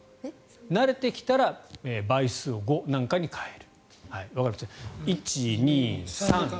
慣れてきたら倍数を５なんかに変える。